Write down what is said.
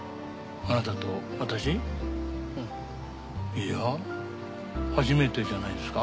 いや初めてじゃないですか？